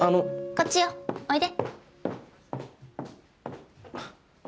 こっちよおいで。